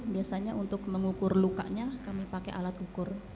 biasanya untuk mengukur lukanya kami pakai alat ukur